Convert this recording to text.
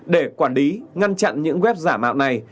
để quản lý ngăn chặn những web giả mạo này